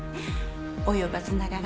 及ばずながら。